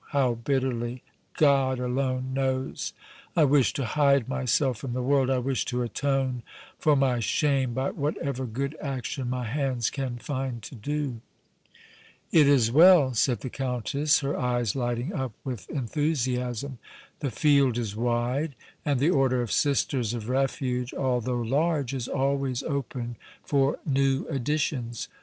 how bitterly God alone knows! I wish to hide myself from the world; I wish to atone for my shame by whatever good action my hands can find to do." "It is well," said the Countess, her eyes lighting up with enthusiasm. "The field is wide, and the Order of Sisters of Refuge, although large, is always open for new additions.